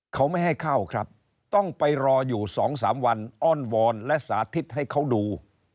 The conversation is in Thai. เขาไม่ให้เข้าครับต้องไปรออยู่๒๓วันอ้อนวอนและสาธิตให้เขาดู